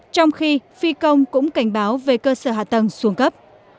trong khi phi công cũng cảnh báo về cơ sở hạ tầng xuống cấp